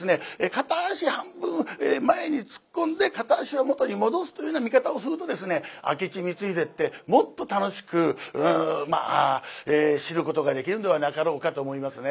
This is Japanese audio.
片足半分前に突っ込んで片足は元に戻すというような見方をするとですね明智光秀ってもっと楽しく知ることができるんではなかろうかと思いますね。